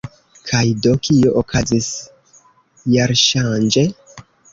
Kaj do, kio okazis jarŝanĝe?